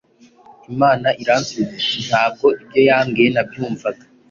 Imana iransubiza iti Nta bwo ibyo yambwiye nabyumvaga